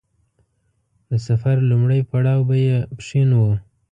د سفر لومړی پړاو به يې پښين و.